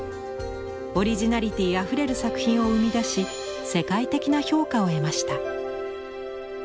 オリジナリティーあふれる作品を生み出し世界的な評価を得ました。